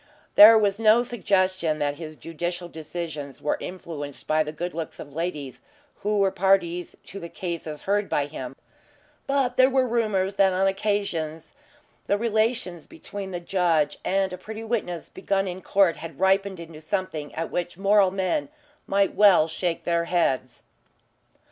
There was no suggestion that his judicial decisions were influenced by the good looks of ladies who were parties to the cases heard by him, but there were rumours that on occasions the relations between the judge and a pretty witness begun in court had ripened into something at which moral men might well shake their heads.